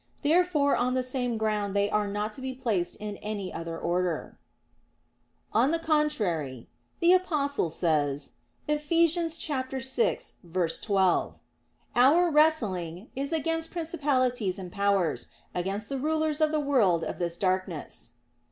Therefore on the same ground they are not to be placed in any other order. On the contrary, The Apostle says (Eph. 6:12): "Our wrestling ... is against principalities and powers, against the rulers of the world of this darkness."